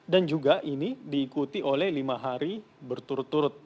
dan juga ini diikuti oleh lima hari berturut turut